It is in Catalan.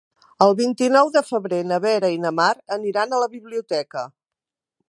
El vint-i-nou de febrer na Vera i na Mar aniran a la biblioteca.